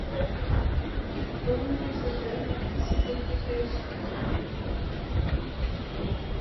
অবশেষে তাঁর আত্মস্মৃতিটি শেষ হয়েছে, তবে তিনি শেষবারের মতো সম্পাদনা করতে পারেননি।